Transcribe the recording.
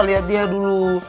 lihat dia dulu